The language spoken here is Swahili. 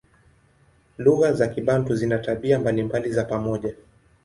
Lugha za Kibantu zina tabia mbalimbali za pamoja.